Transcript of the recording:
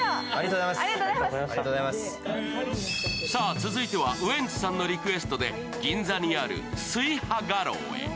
続いてはウエンツさんのリクエストで銀座にある翠波画廊へ。